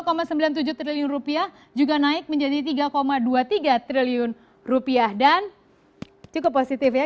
kita lihat bbni dari dua sembilan puluh tujuh triliun rupiah juga naik menjadi tiga dua puluh tiga triliun rupiah dan cukup positif ya